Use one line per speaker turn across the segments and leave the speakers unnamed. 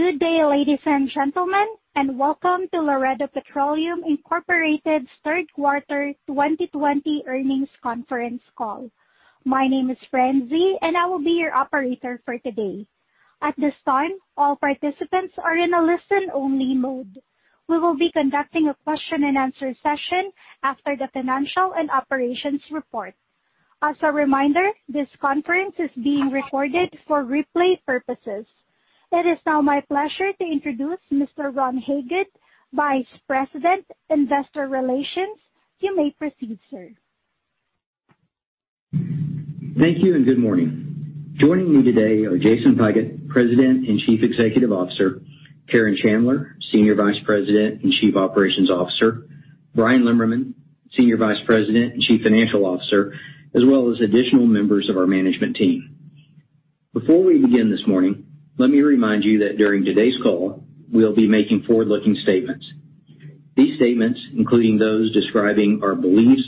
Good day, ladies and gentlemen, and welcome to Laredo Petroleum, Inc.'s third quarter 2020 earnings conference call. My name is Francie, and I will be your operator for today. At this time, all participants are in a listen-only mode. We will be conducting a question and answer session after the financial and operations report. As a reminder, this conference is being recorded for replay purposes. It is now my pleasure to introduce Mr. Ron Hagood, Vice President, Investor Relations. You may proceed, sir.
Thank you, and good morning. Joining me today are Jason Pigott, President and Chief Executive Officer, Karen Chandler, Senior Vice President and Chief Operations Officer, Bryan Lemmerman, Senior Vice President and Chief Financial Officer, as well as additional members of our management team. Before we begin this morning, let me remind you that during today's call, we'll be making forward-looking statements. These statements, including those describing our beliefs,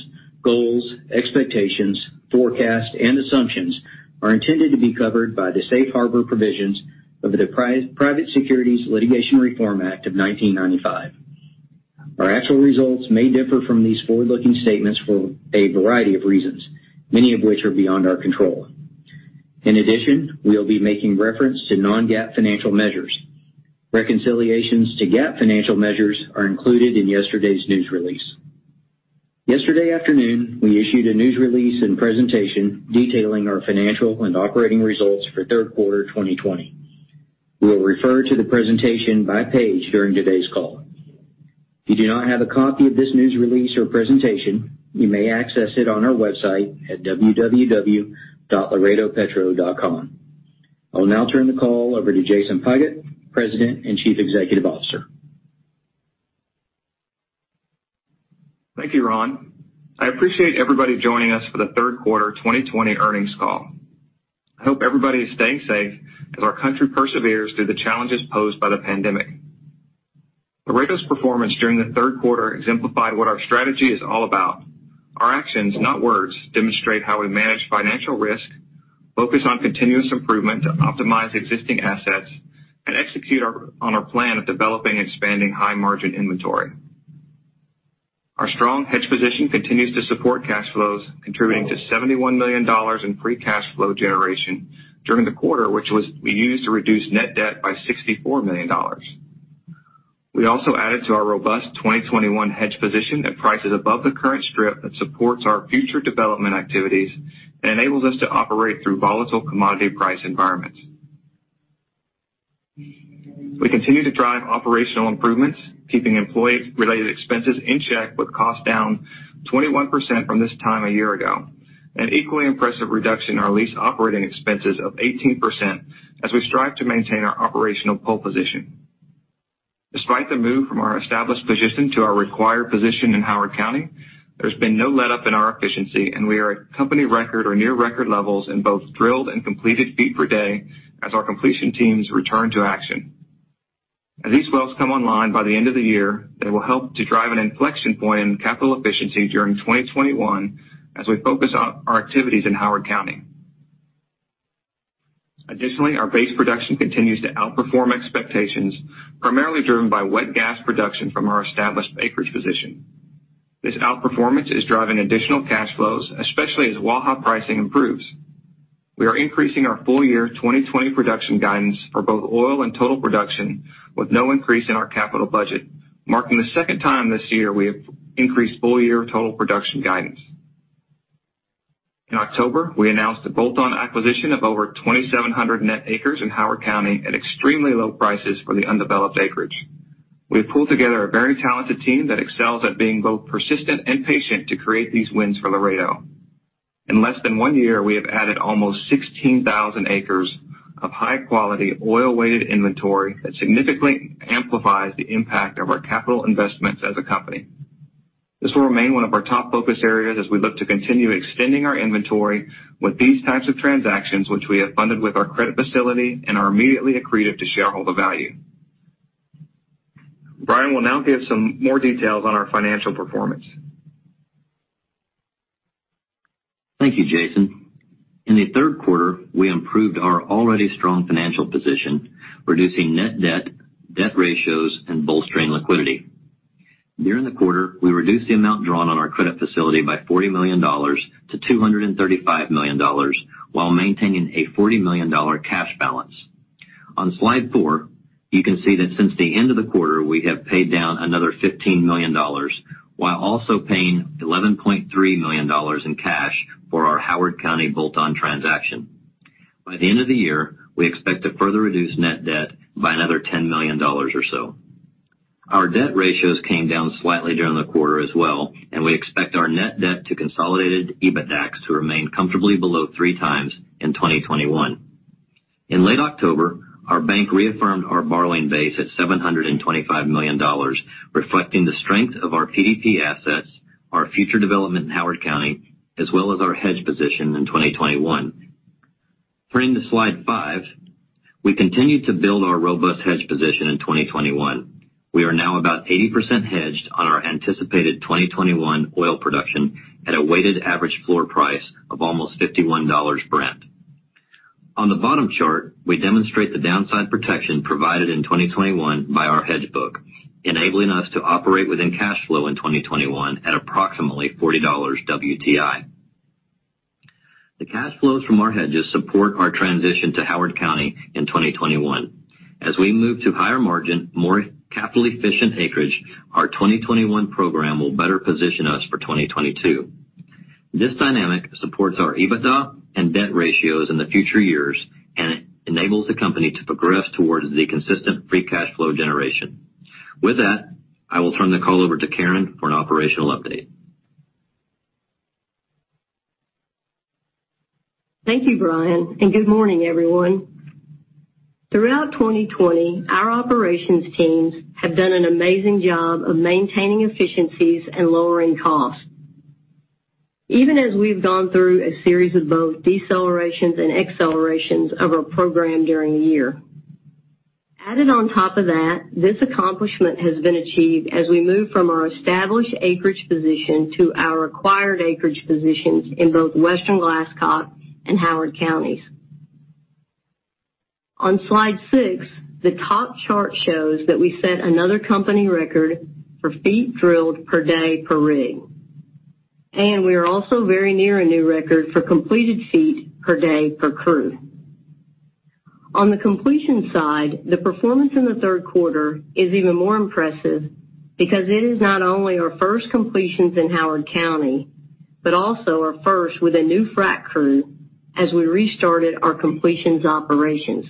goals, expectations, forecasts, and assumptions, are intended to be covered by the safe harbor provisions of the Private Securities Litigation Reform Act of 1995. In addition, we'll be making reference to non-GAAP financial measures. Reconciliations to GAAP financial measures are included in yesterday's news release. Yesterday afternoon, we issued a news release and presentation detailing our financial and operating results for third quarter 2020. We will refer to the presentation by page during today's call. If you do not have a copy of this news release or presentation, you may access it on our website at www.laredopetro.com. I will now turn the call over to Jason Pigott, President and Chief Executive Officer.
Thank you, Ron. I appreciate everybody joining us for the third quarter 2020 earnings call. I hope everybody is staying safe as our country perseveres through the challenges posed by the pandemic. Laredo's performance during the third quarter exemplified what our strategy is all about. Our actions, not words, demonstrate how we manage financial risk, focus on continuous improvement to optimize existing assets, and execute on our plan of developing and expanding high-margin inventory. Our strong hedge position continues to support cash flows, contributing to $71 million in free cash flow generation during the quarter, which was used to reduce net debt by $64 million. We also added to our robust 2021 hedge position at prices above the current strip that supports our future development activities and enables us to operate through volatile commodity price environments. We continue to drive operational improvements, keeping employee-related expenses in check with costs down 21% from this time a year ago. An equally impressive reduction in our lease operating expenses of 18% as we strive to maintain our operational pole position. Despite the move from our established position to our required position in Howard County, there's been no letup in our efficiency, and we are at company record or near record levels in both drilled and completed feet per day as our completion teams return to action. As these wells come online by the end of the year, they will help to drive an inflection point in capital efficiency during 2021 as we focus our activities in Howard County. Additionally, our base production continues to outperform expectations, primarily driven by wet gas production from our established acreage position. This outperformance is driving additional cash flows, especially as wellhead pricing improves. We are increasing our full year 2020 production guidance for both oil and total production with no increase in our capital budget, marking the second time this year we have increased full-year total production guidance. In October, we announced a bolt-on acquisition of over 2,700 net acres in Howard County at extremely low prices for the undeveloped acreage. We have pulled together a very talented team that excels at being both persistent and patient to create these wins for Laredo. In less than one year, we have added almost 16,000 acres of high-quality oil-weighted inventory that significantly amplifies the impact of our capital investments as a company. This will remain one of our top focus areas as we look to continue extending our inventory with these types of transactions, which we have funded with our credit facility and are immediately accretive to shareholder value. Bryan will now give some more details on our financial performance.
Thank you, Jason. In the third quarter, we improved our already strong financial position, reducing net debt ratios, and bolstering liquidity. During the quarter, we reduced the amount drawn on our credit facility by $40 million-$235 million while maintaining a $40 million cash balance. On slide four, you can see that since the end of the quarter, we have paid down another $15 million, while also paying $11.3 million in cash for our Howard County bolt-on transaction. By the end of the year, we expect to further reduce net debt by another $10 million or so. Our debt ratios came down slightly during the quarter as well, and we expect our net debt to consolidated EBITDAX to remain comfortably below three times in 2021. In late October, our bank reaffirmed our borrowing base at $725 million, reflecting the strength of our PDP assets, our future development in Howard County, as well as our hedge position in 2021. Turning to slide five, we continued to build our robust hedge position in 2021. We are now about 80% hedged on our anticipated 2021 oil production at a weighted average floor price of almost $51 Brent. On the bottom chart, we demonstrate the downside protection provided in 2021 by our hedge book, enabling us to operate within cash flow in 2021 at approximately $40 WTI. The cash flows from our hedges support our transition to Howard County in 2021. As we move to higher margin, more capitally efficient acreage, our 2021 program will better position us for 2022. This dynamic supports our EBITDA and debt ratios in the future years and enables the company to progress towards the consistent free cash flow generation. With that, I will turn the call over to Karen for an operational update.
Thank you, Bryan, and good morning, everyone. Throughout 2020, our operations teams have done an amazing job of maintaining efficiencies and lowering costs, even as we've gone through a series of both decelerations and accelerations of our program during the year. Added on top of that, this accomplishment has been achieved as we move from our established acreage position to our acquired acreage positions in both Western Glasscock and Howard Counties. On slide six, the top chart shows that we set another company record for feet drilled per day per rig, and we are also very near a new record for completed feet per day per crew. On the completion side, the performance in the third quarter is even more impressive because it is not only our first completions in Howard County, but also our first with a new frack crew as we restarted our completions operations.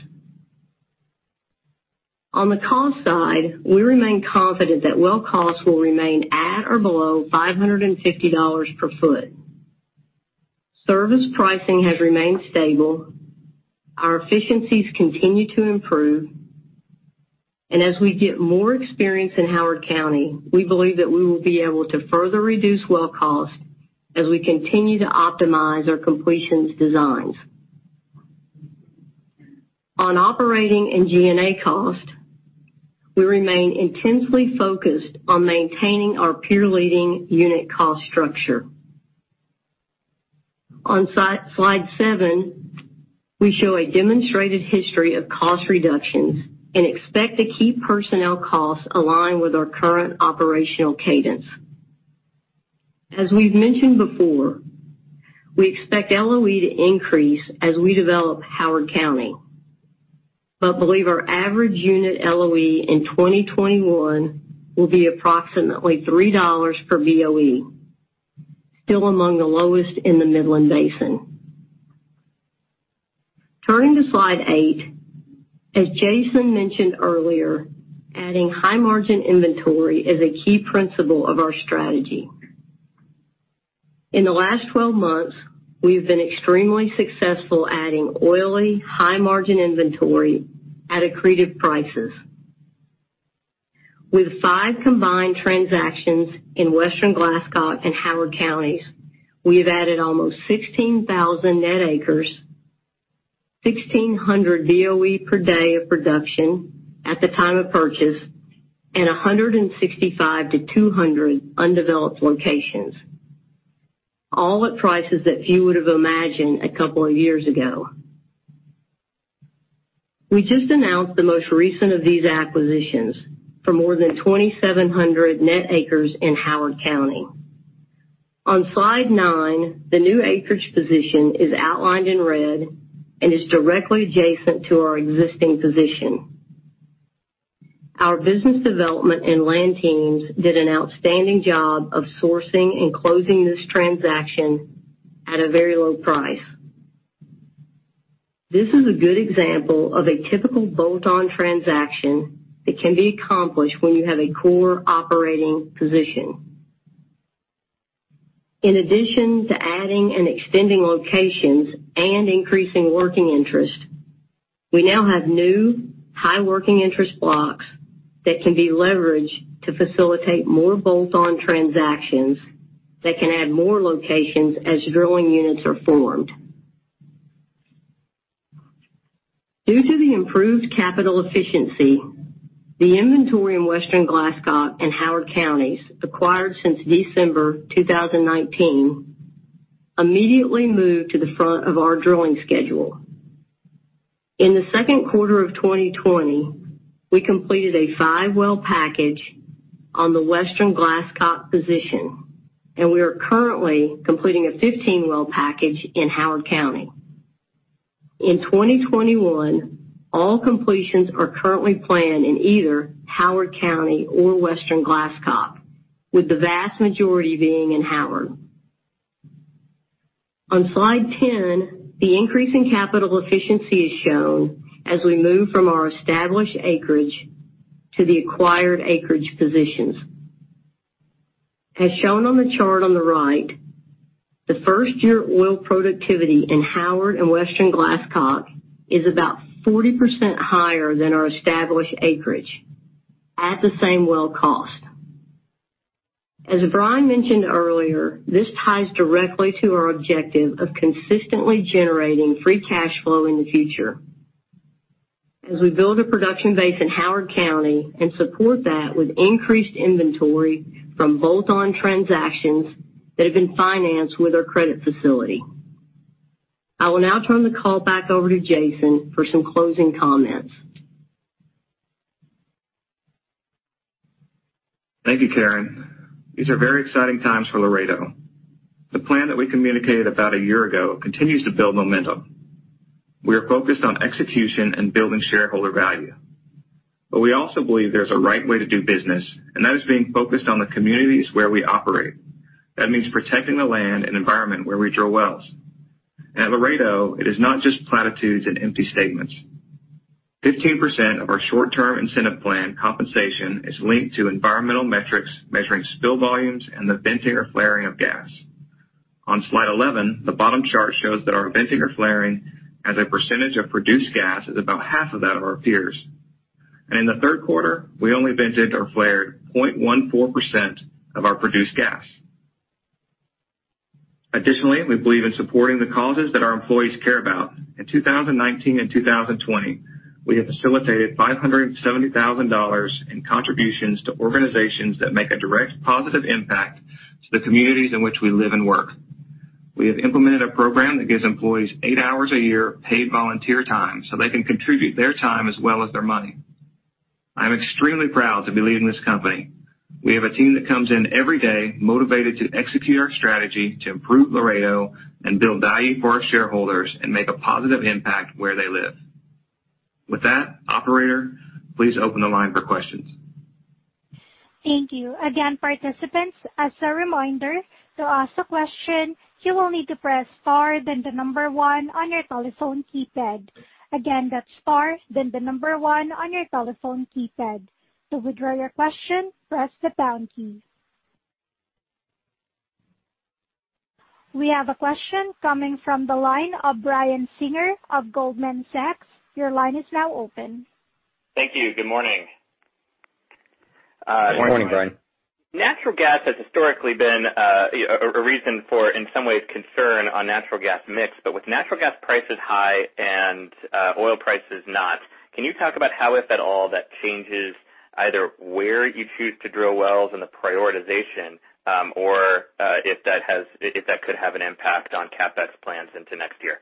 On the cost side, we remain confident that well costs will remain at or below $550 per foot. Service pricing has remained stable. Our efficiencies continue to improve, and as we get more experience in Howard County, we believe that we will be able to further reduce well cost as we continue to optimize our completions designs. On operating and G&A cost, we remain intensely focused on maintaining our peer leading unit cost structure. On slide seven, we show a demonstrated history of cost reductions and expect to keep personnel costs aligned with our current operational cadence. As we've mentioned before, we expect LOE to increase as we develop Howard County, but believe our average unit LOE in 2021 will be approximately $3 per BOE, still among the lowest in the Midland Basin. Turning to slide eight, as Jason mentioned earlier, adding high-margin inventory is a key principle of our strategy. In the last 12 months, we've been extremely successful adding oily, high-margin inventory at accretive prices. With five combined transactions in Western Glasscock and Howard Counties, we've added almost 16,000 net acres, 1,600 BOE per day of production at the time of purchase, and 165-200 undeveloped locations, all at prices that few would have imagined a couple of years ago. We just announced the most recent of these acquisitions for more than 2,700 net acres in Howard County. On slide nine, the new acreage position is outlined in red and is directly adjacent to our existing position. Our business development and land teams did an outstanding job of sourcing and closing this transaction at a very low price. This is a good example of a typical bolt-on transaction that can be accomplished when you have a core operating position. In addition to adding and extending locations and increasing working interest, we now have new high working interest blocks that can be leveraged to facilitate more bolt-on transactions that can add more locations as drilling units are formed. Due to the improved capital efficiency, the inventory in Western Glasscock and Howard Counties acquired since December 2019 immediately moved to the front of our drilling schedule. In the second quarter of 2020, we completed a five-well package on the Western Glasscock position, and we are currently completing a 15-well package in Howard County. In 2021, all completions are currently planned in either Howard County or Western Glasscock, with the vast majority being in Howard. On slide 10, the increase in capital efficiency is shown as we move from our established acreage to the acquired acreage positions. As shown on the chart on the right, the first-year oil productivity in Howard and Western Glasscock is about 40% higher than our established acreage at the same well cost. As Bryan mentioned earlier, this ties directly to our objective of consistently generating free cash flow in the future. As we build a production base in Howard County and support that with increased inventory from bolt-on transactions that have been financed with our credit facility. I will now turn the call back over to Jason for some closing comments.
Thank you, Karen. These are very exciting times for Laredo. The plan that we communicated about a year ago continues to build momentum. We are focused on execution and building shareholder value. We also believe there's a right way to do business, and that is being focused on the communities where we operate. That means protecting the land and environment where we drill wells. At Laredo, it is not just platitudes and empty statements. 15% of our short-term incentive plan compensation is linked to environmental metrics, measuring spill volumes and the venting or flaring of gas. On slide 11, the bottom chart shows that our venting or flaring as a percentage of produced gas is about half of that of our peers. In the third quarter, we only vented or flared 0.14% of our produced gas. Additionally, we believe in supporting the causes that our employees care about. In 2019 and 2020, we have facilitated $570,000 in contributions to organizations that make a direct positive impact to the communities in which we live and work. We have implemented a program that gives employees eight hours a year of paid volunteer time so they can contribute their time as well as their money. I'm extremely proud to be leading this company. We have a team that comes in every day motivated to execute our strategy to improve Laredo and build value for our shareholders and make a positive impact where they live. With that, operator, please open the line for questions.
Thank you. Again, participants, as a reminder, to ask a question, you will need to press star then the number one on your telephone keypad. Again, that's star then the number one on your telephone keypad. To withdraw your question, press the pound key. We have a question coming from the line of Brian Singer of Goldman Sachs. Your line is now open.
Thank you. Good morning.
Good morning, Brian.
Natural gas has historically been a reason for, in some ways, concern on natural gas mix. With natural gas prices high and oil prices not, can you talk about how, if at all, that changes either where you choose to drill wells and the prioritization, or if that could have an impact on CapEx plans into next year?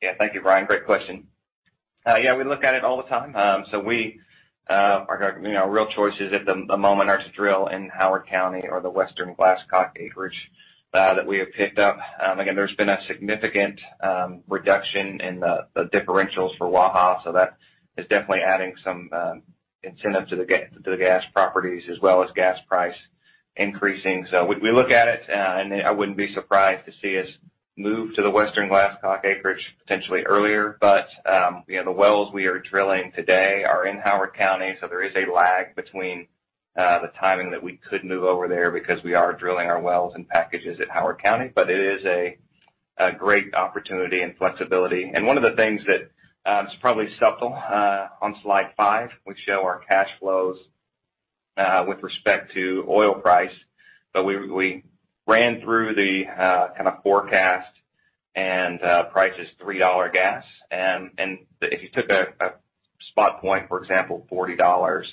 Yeah. Thank you, Brian. Great question. Our real choices at the moment are to drill in Howard County or the Western Glasscock acreage that we have picked up. Again, there's been a significant reduction in the differentials for Waha, so that is definitely adding some incentive to the gas properties as well as gas price increasing. We look at it, and I wouldn't be surprised to see us move to the Western Glasscock acreage potentially earlier. The wells we are drilling today are in Howard County, so there is a lag between the timing that we could move over there because we are drilling our wells and packages at Howard County. It is a great opportunity and flexibility. One of the things that is probably subtle, on slide five, we show our cash flows, with respect to oil price, but we ran through the forecast and prices $3 gas. If you took a spot point, for example, $40,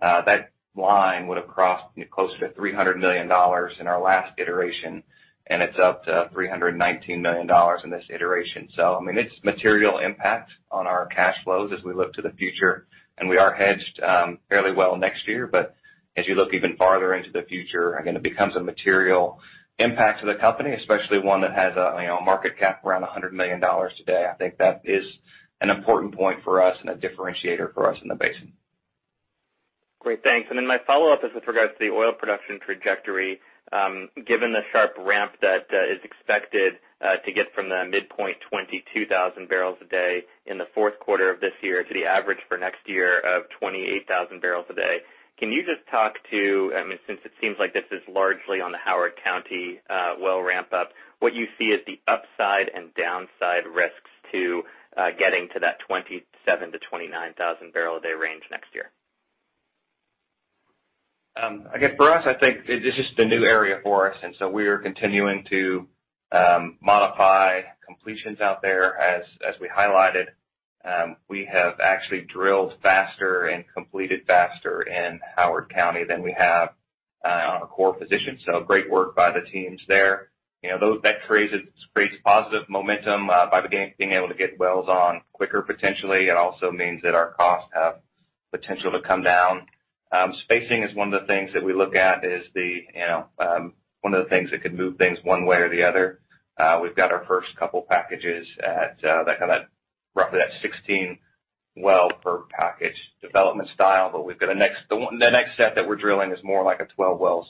that line would have crossed closer to $300 million in our last iteration, and it's up to $319 million in this iteration. It's material impact on our cash flows as we look to the future, and we are hedged fairly well next year. As you look even farther into the future, again, it becomes a material impact to the company, especially one that has a market cap around $100 million today. I think that is an important point for us and a differentiator for us in the basin.
Great. Thanks. My follow-up is with regards to the oil production trajectory. Given the sharp ramp that is expected to get from the midpoint 22,000 barrels a day in the fourth quarter of this year to the average for next year of 28,000 barrels a day. Can you just talk to, since it seems like this is largely on the Howard County well ramp up, what you see as the upside and downside risks to getting to that 27,000-29,000 barrel a day range next year?
For us, I think this is the new area for us, we are continuing to modify completions out there as we highlighted. We have actually drilled faster and completed faster in Howard County than we have on a core position. Great work by the teams there. That creates positive momentum by being able to get wells on quicker potentially. It also means that our costs have potential to come down. Spacing is one of the things that we look at as one of the things that could move things one way or the other. We've got our first couple packages at that roughly that 16-well per package development style. The next set that we're drilling is more like a 12-well.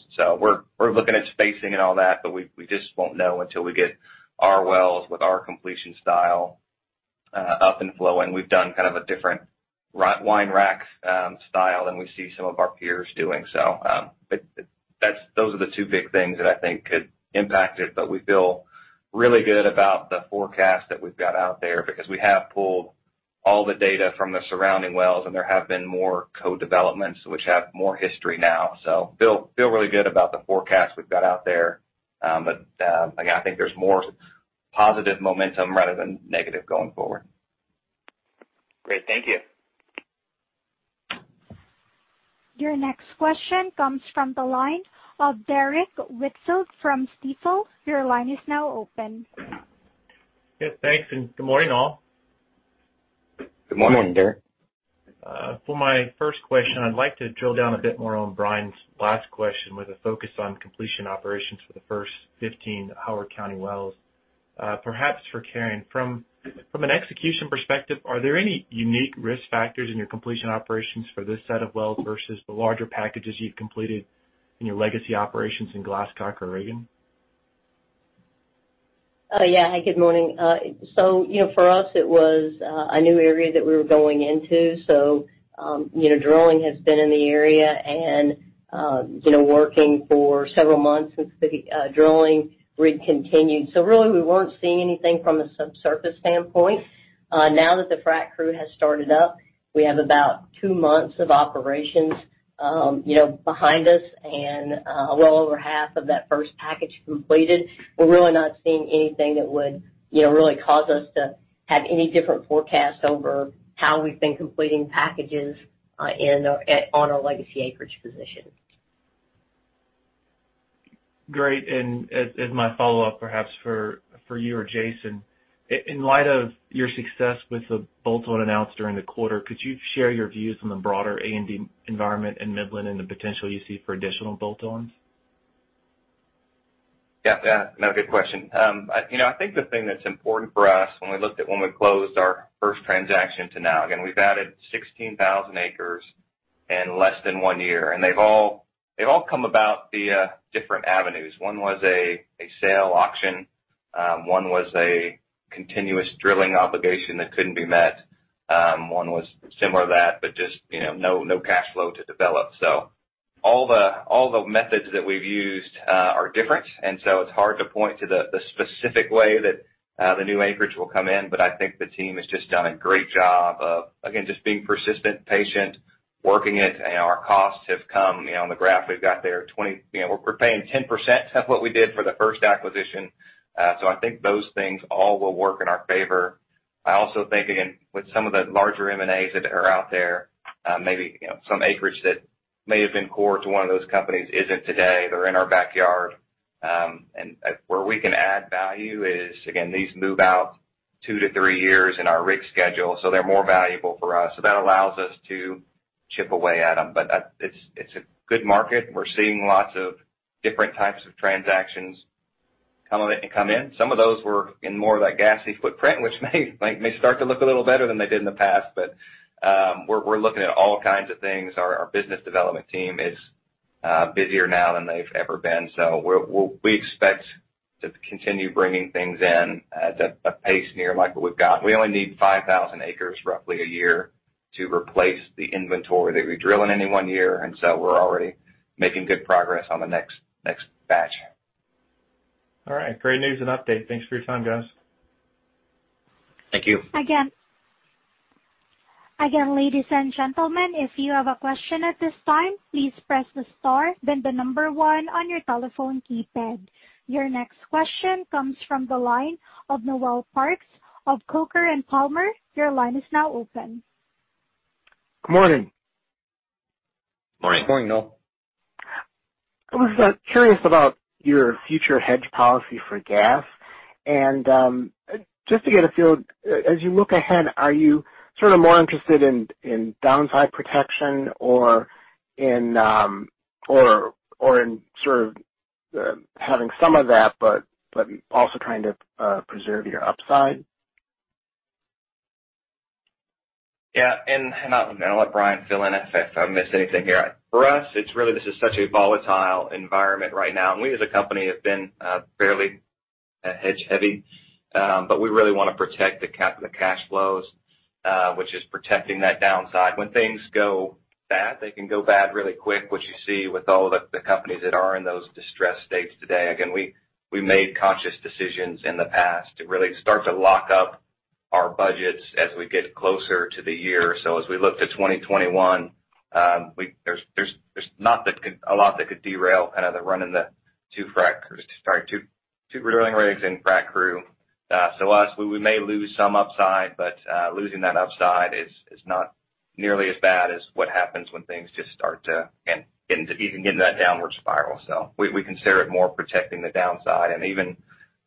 We're looking at spacing and all that, but we just won't know until we get our wells with our completion style up and flowing. We've done a different wine rack style than we see some of our peers doing. Those are the two big things that I think could impact it, but we feel really good about the forecast that we've got out there because we have pulled all the data from the surrounding wells, and there have been more co-developments which have more history now. Feel really good about the forecast we've got out there. Again, I think there's more positive momentum rather than negative going forward.
Great. Thank you.
Your next question comes from the line of Derrick Whitfield from Stifel. Your line is now open.
Yes, thanks, and good morning, all.
Good morning.
Good morning, Derrick.
For my first question, I'd like to drill down a bit more on Brian's last question with a focus on completion operations for the first 15 Howard County wells. Perhaps for Karen, from an execution perspective, are there any unique risk factors in your completion operations for this set of wells versus the larger packages you've completed in your legacy operations in Glasscock or Reagan?
Yeah. Good morning. For us, it was a new area that we were going into. Drilling has been in the area and working for several months since the drilling rig continued. Really, we weren't seeing anything from a subsurface standpoint. Now that the frack crew has started up, we have about two months of operations behind us and well over half of that first package completed. We're really not seeing anything that would really cause us to have any different forecast over how we've been completing packages on our legacy acreage position.
Great. As my follow-up, perhaps for you or Jason, in light of your success with the bolt-on announced during the quarter, could you share your views on the broader A&D environment in Midland and the potential you see for additional bolt-ons?
Yeah. No, good question. I think the thing that's important for us when we looked at when we closed our first transaction to now, again, we've added 16,000 acres in less than one year, and they've all come about via different avenues. One was a sale auction, one was a continuous drilling obligation that couldn't be met, one was similar to that, just no cash flow to develop. All the methods that we've used are different, it's hard to point to the specific way that the new acreage will come in. I think the team has just done a great job of, again, just being persistent, patient, working it, our costs have come. On the graph we've got there, we're paying 10% of what we did for the first acquisition. I think those things all will work in our favor. I also think, again, with some of the larger M&As that are out there, maybe some acreage that may have been core to one of those companies isn't today. They're in our backyard. Where we can add value is, again, these move out two to three years in our rig schedule, so they're more valuable for us. That allows us to chip away at them. It's a good market. We're seeing lots of different types of transactions come in. Some of those were in more of that gassy footprint, which may start to look a little better than they did in the past. We're looking at all kinds of things. Our business development team is busier now than they've ever been. We expect to continue bringing things in at a pace near like what we've got. We only need 5,000 acres roughly a year to replace the inventory that we drill in any one year. We're already making good progress on the next batch.
All right. Great news and update. Thanks for your time, guys.
Thank you.
Again, ladies and gentlemen, if you have a question at this time, please press the star, then the number one on your telephone keypad. Your next question comes from the line of Noel Parks of Coker & Palmer. Your line is now open.
Good morning.
Morning.
Morning, Noel.
I was curious about your future hedge policy for gas. Just to get a feel, as you look ahead, are you sort of more interested in downside protection or in sort of having some of that, but also trying to preserve your upside?
Yeah. I'm going to let Bryan fill in if I miss anything here. For us, it's really, this is such a volatile environment right now, and we as a company have been fairly hedge heavy. We really want to protect the cash flows, which is protecting that downside. When things go bad, they can go bad really quick, which you see with all the companies that are in those distressed states today. Again, we made conscious decisions in the past to really start to lock up our budgets as we get closer to the year. As we look to 2021, there's not a lot that could derail kind of the run in the two frack crews, sorry, two drilling rigs and frack crew. We may lose some upside, losing that upside is not nearly as bad as what happens when things just start to even get in that downward spiral. We consider it more protecting the downside, even,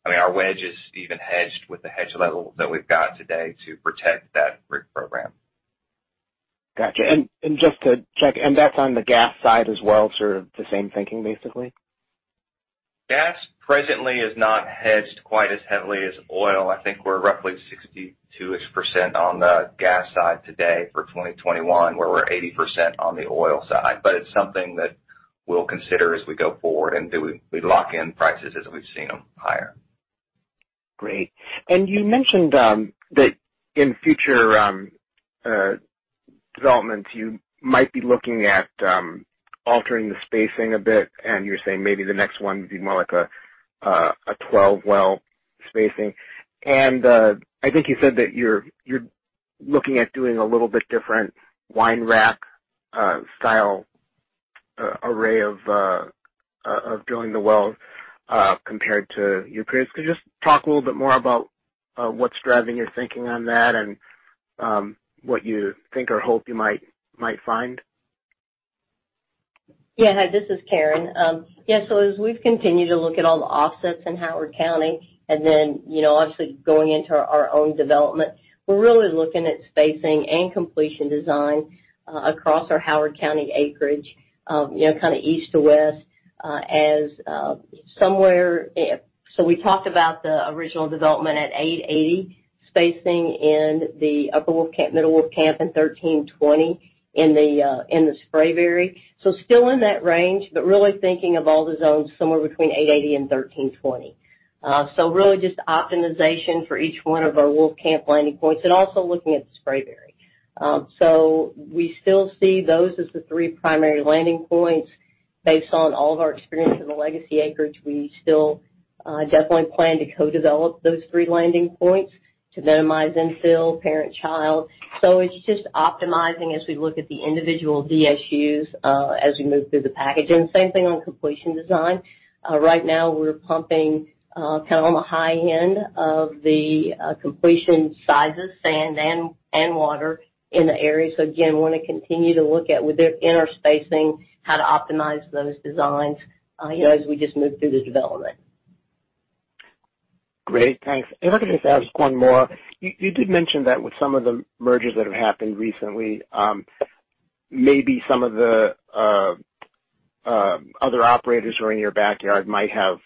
I mean, our wedge is even hedged with the hedge level that we've got today to protect that rig program.
Got you. Just to check, and that's on the gas side as well, sort of the same thinking, basically?
Gas presently is not hedged quite as heavily as oil. I think we're roughly 62-ish% on the gas side today for 2021, where we're 80% on the oil side. It's something that we'll consider as we go forward and do we lock in prices as we've seen them higher.
Great. You mentioned that in future development, you might be looking at altering the spacing a bit, and you're saying maybe the next one would be more like a 12-well spacing. I think you said that you're looking at doing a little bit different wine rack style array of drilling the wells compared to your previous. Could you just talk a little bit more about what's driving your thinking on that and what you think or hope you might find?
Hi, this is Karen. As we've continued to look at all the offsets in Howard County and then obviously going into our own development, we're really looking at spacing and completion design across our Howard County acreage, kind of east to west. We talked about the original development at 880 spacing in the Upper Wolfcamp, Middle Wolfcamp, and 1320 in the Spraberry. Still in that range, but really thinking of all the zones somewhere between 880 and 1320. Really just optimization for each one of our Wolfcamp landing points and also looking at the Spraberry. We still see those as the three primary landing points based on all of our experience in the legacy acreage. We still definitely plan to co-develop those three landing points to minimize infill, parent-child. It's just optimizing as we look at the individual DSUs as we move through the packaging. Same thing on completion design. Right now, we're pumping kind of on the high end of the completion sizes, sand and water in the area. Again, want to continue to look at with interspacing, how to optimize those designs as we just move through the development.
Great. Thanks. If I could just ask one more. You did mention that with some of the mergers that have happened recently, maybe some of the other operators who are in your backyard might have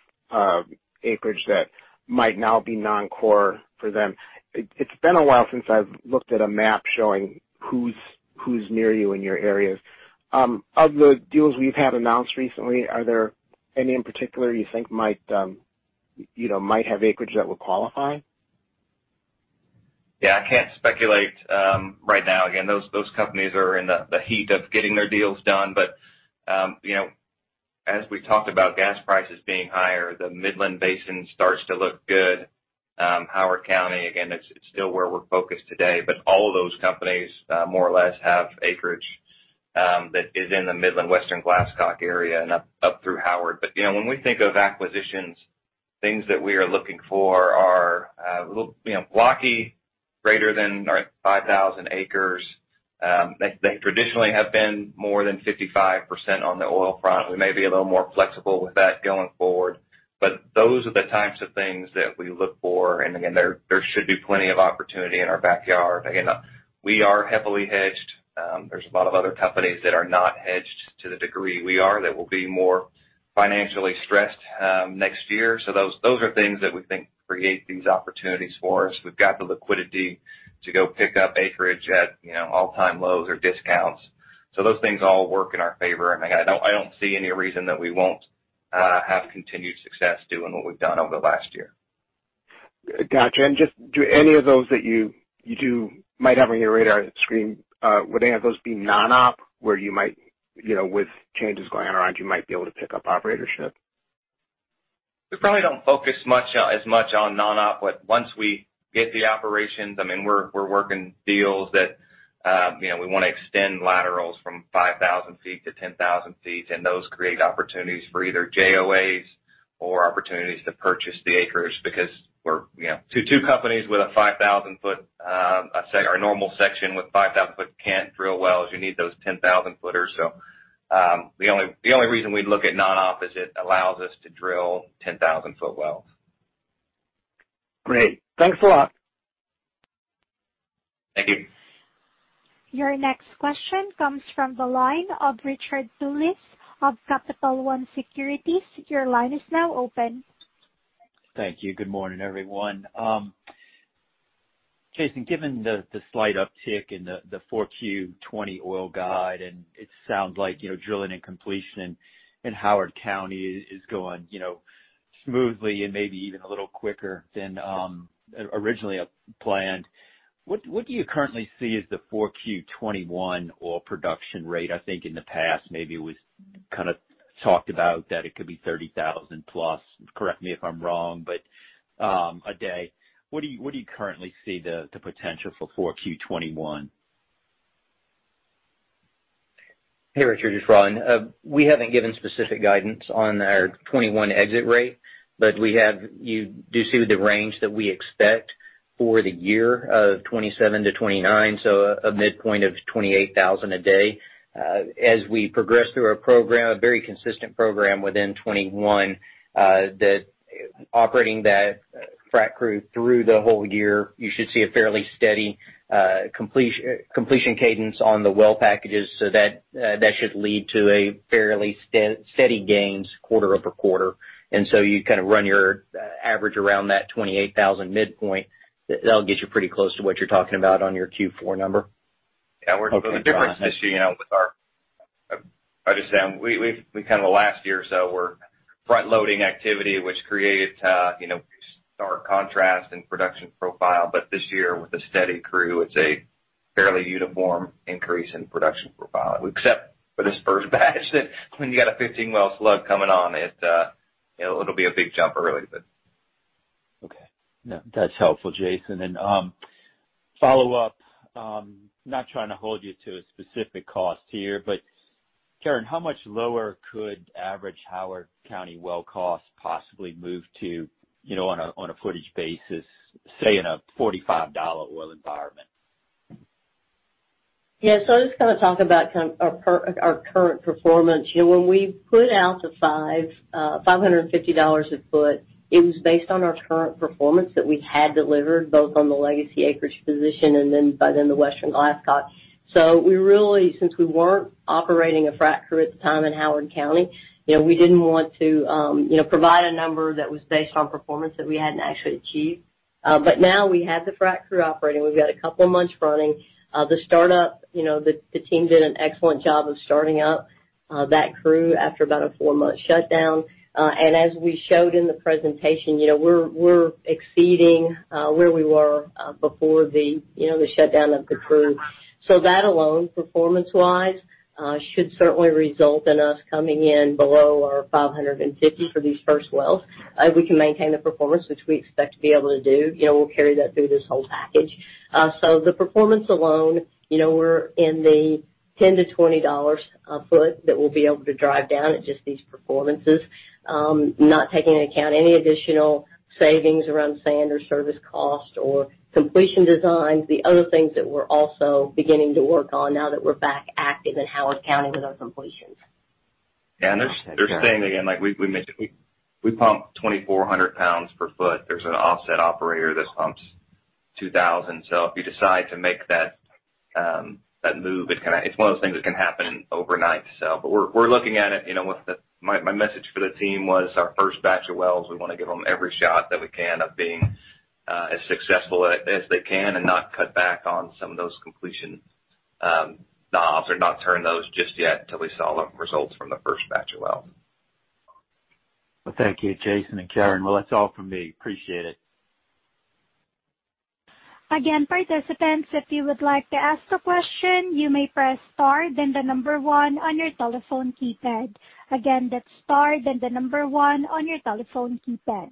acreage that might now be non-core for them. It's been a while since I've looked at a map showing who's near you in your areas. Of the deals we've had announced recently, are there any in particular you think might have acreage that would qualify?
Yeah, I can't speculate right now. Those companies are in the heat of getting their deals done. As we talked about gas prices being higher, the Midland Basin starts to look good. Howard County, again, it's still where we're focused today, all of those companies, more or less, have acreage that is in the Midland, Western Glasscock area and up through Howard. When we think of acquisitions, things that we are looking for are a little blocky, greater than, or 5,000 acres. They traditionally have been more than 55% on the oil front. We may be a little more flexible with that going forward. Those are the types of things that we look for. Again, there should be plenty of opportunity in our backyard. Again, we are heavily hedged. There's a lot of other companies that are not hedged to the degree we are that will be more financially stressed next year. Those are things that we think create these opportunities for us. We've got the liquidity to go pick up acreage at all-time lows or discounts. Those things all work in our favor. Again, I don't see any reason that we won't have continued success doing what we've done over the last year.
Got you. Just any of those that you might have on your radar screen, would any of those be non-op where you might, with changes going around, you might be able to pick up operatorship?
We probably don't focus as much on non-op, but once we get the operations, I mean, we're working deals that we want to extend laterals from 5,000 ft-10,000 ft, and those create opportunities for either JOAs or opportunities to purchase the acreage because two companies with a 5,000 foot, our normal section with 5,000 foot can't drill wells. You need those 10,000 footers. The only reason we'd look at non-op is it allows us to drill 10,000 foot wells.
Great. Thanks a lot.
Thank you.
Your next question comes from the line of Richard Tullis of Capital One Securities. Your line is now open.
Thank you. Good morning, everyone. Jason, given the slight uptick in the 4Q 2020 oil guide, it sounds like drilling and completion in Howard County is going smoothly and maybe even a little quicker than originally planned. What do you currently see as the 4Q 2021 oil production rate? I think in the past, maybe it was kind of talked about that it could be 30,000 plus, correct me if I'm wrong, but a day. What do you currently see the potential for 4Q 2021?
Hey, Richard. It's Ron. We haven't given specific guidance on our 2021 exit rate. You do see the range that we expect for the year of 27-29, so a midpoint of 28,000 a day. As we progress through our program, a very consistent program within 2021, operating that frac crew through the whole year, you should see a fairly steady completion cadence on the well packages. That should lead to a fairly steady gains quarter-over-quarter. You kind of run your average around that 28,000 midpoint. That'll get you pretty close to what you're talking about on your Q4 number.
Okay, got it.
Yeah, we're focusing this year with I just say, the last year or so, we're front-loading activity, which created a stark contrast in production profile. This year, with a steady crew, it's a fairly uniform increase in production profile. Except for this first batch that when you got a 15-well slug coming on, it'll be a big jump early.
Okay. No, that's helpful, Jason. Follow-up, not trying to hold you to a specific cost here, Karen, how much lower could average Howard County well cost possibly move to on a footage basis, say, in a $45 oil environment?
Yeah. I'll just talk about our current performance. When we put out the $550 a foot, it was based on our current performance that we had delivered, both on the legacy acreage position and then by then the Western Glasscock. Since we weren't operating a frac crew at the time in Howard County, we didn't want to provide a number that was based on performance that we hadn't actually achieved. Now we have the frac crew operating. We've got a couple of months running. The team did an excellent job of starting up that crew after about a four-month shutdown. As we showed in the presentation, we're exceeding where we were before the shutdown of the crew. That alone, performance-wise, should certainly result in us coming in below our $550 for these first wells. If we can maintain the performance, which we expect to be able to do, we'll carry that through this whole package. The performance alone, we're in the $10-$20 a foot that we'll be able to drive down at just these performances. Not taking into account any additional savings around sand or service cost or completion designs, the other things that we're also beginning to work on now that we're back active in Howard County with our completions.
Yeah. They're staying, again, like we mentioned, we pump 2,400 pounds per foot. There's an offset operator that pumps 2,000. If you decide to make that move, it's one of those things that can happen overnight. We're looking at it. My message for the team was our first batch of wells, we want to give them every shot that we can of being as successful as they can and not cut back on some of those completion knobs or not turn those just yet until we saw the results from the first batch of wells.
Thank you, Jason and Karen. That's all from me. Appreciate it.
Again, participants, if you would like to ask a question, you may press star then the number one on your telephone keypad. Again, that's star then the number one on your telephone keypad.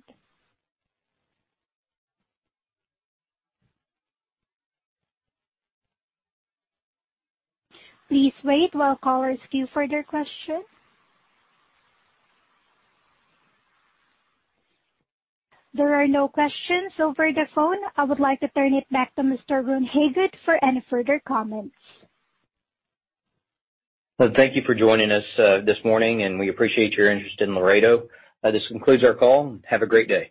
Please wait while callers queue for their question. There are no questions over the phone. I would like to turn it back to Mr. Ron Hagood for any further comments.
Thank you for joining us this morning. We appreciate your interest in Laredo. This concludes our call. Have a great day.